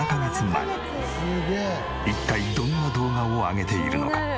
一体どんな動画を上げているのか？